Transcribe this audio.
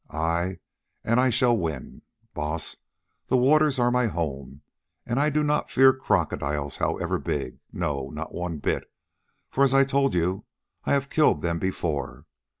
Ay, and I shall win, Baas; the waters are my home, and I do not fear crocodiles however big—no, not one bit; for, as I told you, I have killed them before.